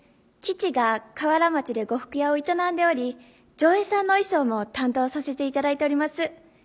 父が河原町で呉服屋を営んでおり条映さんの衣装も担当させていただいております。